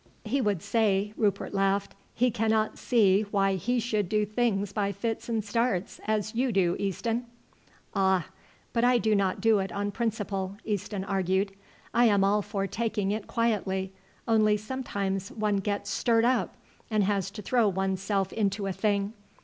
"He would say," Rupert laughed, "he cannot see why he should do things by fits and starts as you do, Easton." "Ah! but I do not do it on principle," Easton argued. "I am all for taking it quietly, only sometimes one gets stirred up and has to throw one's self into a thing.